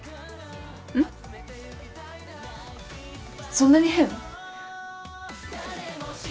そんなに変？